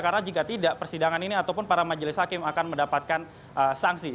karena jika tidak persidangan ini ataupun para majelis hakim akan mendapatkan sanksi